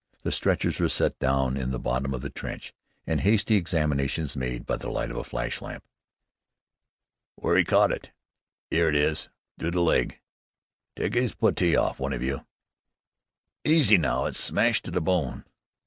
The stretchers were set down in the bottom of the trench and hasty examinations made by the light of a flash lamp. "W'ere's 'e caught it?" "'Ere it is, through the leg. Tyke 'is puttee off, one of you!" "Easy, now! It's smashed the bone!